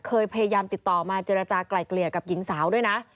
พยายามติดต่อมาเจรจากลายเกลี่ยกับหญิงสาวด้วยนะ